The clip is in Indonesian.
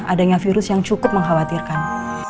adanya virus yang cukup mengkhawatirkan